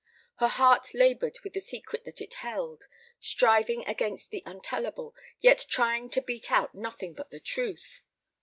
Her heart labored with the secret that it held, striving against the untellable, yet trying to beat out nothing but the truth.